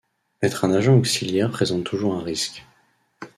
Être un agent auxiliaire présente toujours un risque.